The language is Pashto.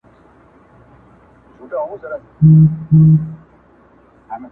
چي هر لوري ته یې واچول لاسونه!!